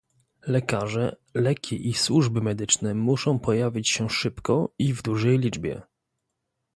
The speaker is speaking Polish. Lekarze, leki i służby medyczne muszą pojawić się szybko i w dużej liczbie